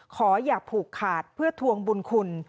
ขออย่าผูกขาดเพื่อทวงบุญคุณ